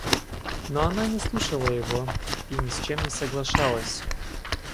Но она не слушала его и ни с чем не соглашалась.